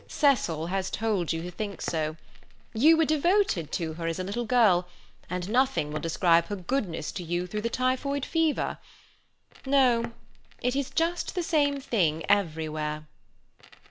"Cecil has told you to think so. You were devoted to her as a little girl, and nothing will describe her goodness to you through the typhoid fever. No—it is just the same thing everywhere."